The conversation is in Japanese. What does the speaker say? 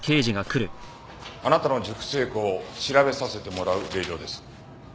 あなたの熟成庫を調べさせてもらう令状です。